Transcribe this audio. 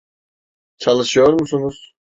Çalışıyor musunuz?